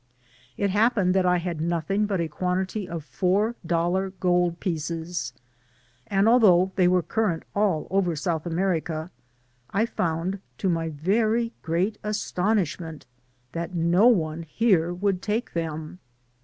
It happened that I had nothing but a quantity of four dollar gold pieces, and although they were current all over South America, I found, to my very great astonishment, that no one here would take them.